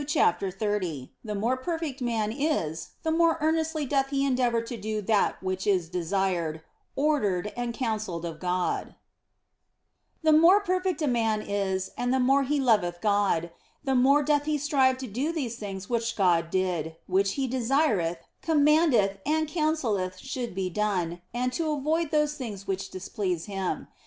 CHAPTER XXX THE MORE PERFECT MAN IS, THE MORE EARNESTLY DOTH HE ENDEAVOUR TO DO THAT WHICH IS DESIRED, ORDERED, AND COUNSELLED OF GOD THE more perfect a man is and the more he loveth God, the more doth he strive to do these things which God did, which He desireth, commandeth, and counselleth should be done, and to avoid those things which displease Him.